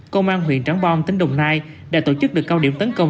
công an huyện trắng bom tỉnh đồng nai đã tổ chức được cao điểm tấn công